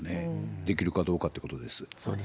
できるかどうかということです。